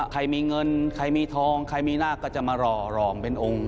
ใครมีเงินใครมีทองใครมีนาคก็จะมารอรองเป็นองค์